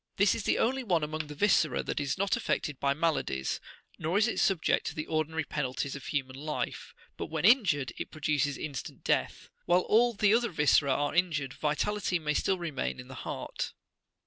This is the only one69 among the viscera that is not affected by maladies, nor is it subject to the ordinary penalties of human life; but when injured, it produces instant death. While all the other viscera are injured, vitality may still remain in the heart.